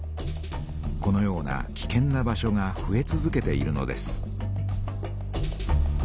このようなきけんな場所がふえ続けているのです。